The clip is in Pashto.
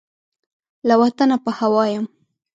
له وطنه په هوا یم